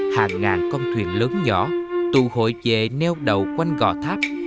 hàng ngàn con thuyền lớn nhỏ tù hội dệ neo đậu quanh gò tháp